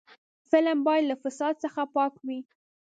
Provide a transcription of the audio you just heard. فلم باید له فساد څخه پاک وي